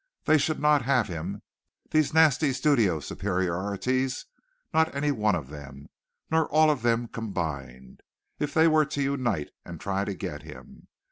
They should not have him these nasty studio superiorities not any one of them, nor all of them combined, if they were to unite and try to get him.